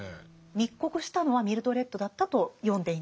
密告したのはミルドレッドだったと読んでいいんですか？